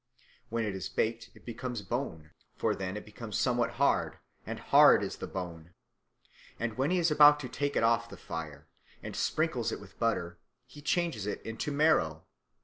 When it is baked, it becomes bone: for then it becomes somewhat hard; and hard is the bone. And when he is about to take it off (the fire) and sprinkles it with butter, he changes it into marrow.